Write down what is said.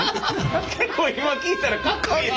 結構今聴いたらかっこいい。